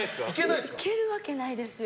いけるわけないですよ。